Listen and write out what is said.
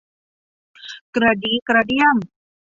กระดี้กระเดียม